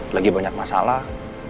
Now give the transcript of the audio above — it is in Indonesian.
lagi banyak masalah